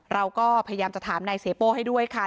เราก็พยายามจะถามนายเสียโป้ให้ด้วยค่ะ